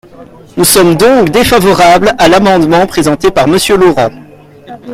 Nous sommes donc défavorables à l’amendement présenté par Monsieur Laurent.